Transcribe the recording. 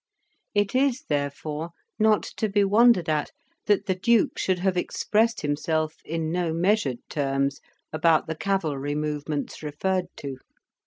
It is, therefore, not to be wondered at that the Duke should have expressed himself in no measured terms about the cavalry movements referred to.